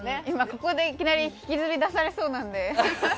ここでいきなり引きずり出されそうなんで。